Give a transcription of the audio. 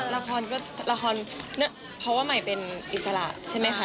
ละครก็ละครเพราะว่าใหม่เป็นอิสระใช่ไหมคะ